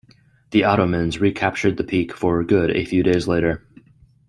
The Ottomans recaptured the peak for good a few days later.